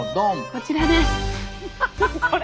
こちらです。